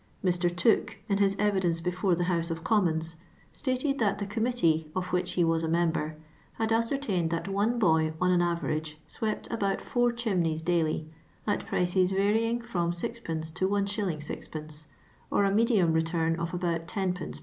' Mr. Tooke, in his evidence before the House of (/ommons, stated that the Committ«>e, of which he was a membj>r, had ascertained that one boy on an average swept about four chimneys daily, at pric«*s varying fn>ni 6</. to 1*. 6rf., or a medium return of about lOc^.